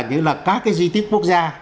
như là các cái di tích quốc gia